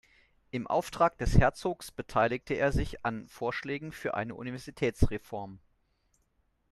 Im Auftrag des Herzogs beteiligte er sich an Vorschlägen für eine Universitätsreform.